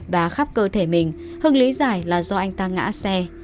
và khắp cơ thể mình hưng lý giải là do anh ta ngã xe